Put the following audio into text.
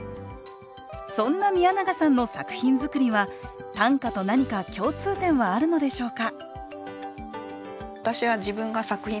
そんな宮永さんの作品作りは短歌と何か共通点はあるのでしょうか